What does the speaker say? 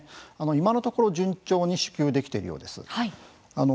今のところ順調に支給できているようです。